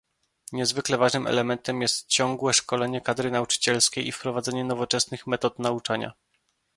Niezwykle ważnym elementem jest ciągłe szkolenie kadry nauczycielskiej i wprowadzanie nowoczesnych metod nauczania